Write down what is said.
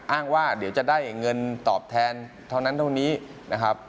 อ้างว่าเดี๋ยวจะได้เงินตอบแทนเท่านั้นเท่านี้นะครับ